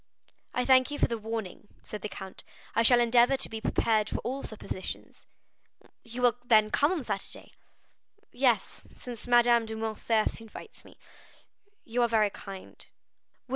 "I thank you for the warning," said the count; "I shall endeavor to be prepared for all suppositions." "You will, then, come on Saturday?" "Yes, since Madame de Morcerf invites me." "You are very kind." "Will M.